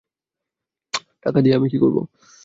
টাকা দিয়ে আমি কী করব?